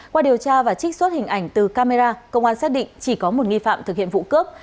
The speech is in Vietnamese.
qua điều tra và trích xuất hình ảnh từ camera công an xác định chỉ có một nghi phạm thực hiện vụ cướp